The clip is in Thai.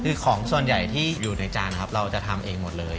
คือของส่วนใหญ่ที่อยู่ในจานครับเราจะทำเองหมดเลย